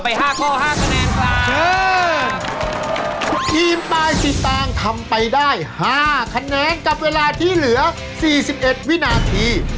อิ่มต่างทำไปได้๕คะแนนกับเวลาที่เหลือ๔๑วินาที